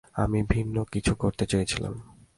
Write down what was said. আমি ভিন্ন কিছু করতে চেয়েছিলাম।